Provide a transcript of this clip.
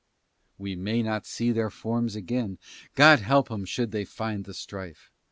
We may not see their forms again, God help 'em, should they find the strife!